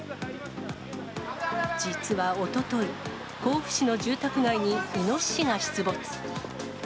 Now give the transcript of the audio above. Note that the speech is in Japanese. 実はおととい、甲府市の住宅街にイノシシが出没。